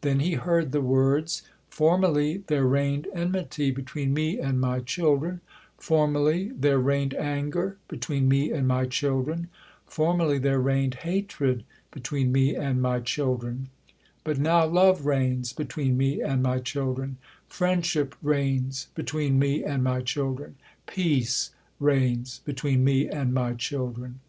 Then he heard the words: "Formerly there reigned enmity between Me and My children, formerly there reigned anger between Me and My children, formerly there reigned hatred between Me and My children; but now love reigns between Me and My children, friendship reigns between Me and My children, peace reigns between Me and My children."